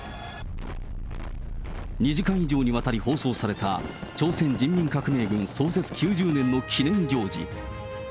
２時間以上にわたり放送された、朝鮮人民革命軍創設９０年の記念行事。